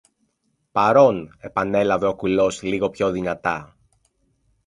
Παρών! επανέλαβε ο κουλός λίγο πιο δυνατά